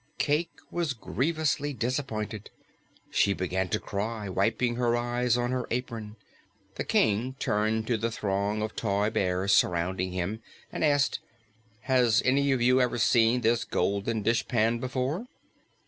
Cayke was grievously disappointed. She began to cry, wiping her eyes on her apron. The King turned to the throng of toy bears surrounding him and asked, "Has any of you ever seen this golden dishpan before?"